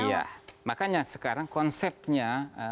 iya makanya sekarang konsepnya